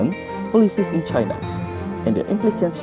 dan untuk memperbaiki kesempatan pembangunan ekonomi dan finansial di china